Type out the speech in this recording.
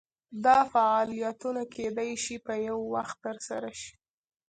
دا فعالیتونه کیدای شي په یو وخت ترسره شي.